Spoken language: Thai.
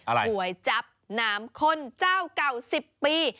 อะไรก๋วยจับน้ำคนเจ้าเก่าสิบปี